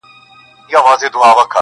وږمه ځي تر ارغوانه پښه نيولې،